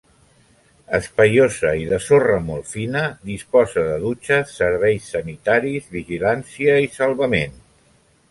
Espaiosa i de sorra molt fina, disposa de dutxes, serveis sanitaris, vigilància i salvament.